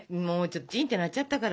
チンって鳴っちゃったから。